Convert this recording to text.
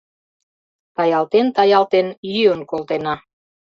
Таялтен-таялтен йӱын колтена.